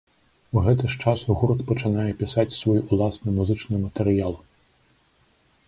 У гэты ж час гурт пачынае пісаць свой уласны музычны матэрыял.